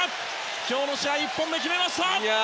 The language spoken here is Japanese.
今日の試合１本目を決めました！